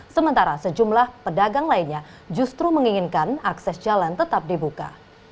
sementara sejumlah pedagang lainnya justru menginginkan akses jalan tetap dibuka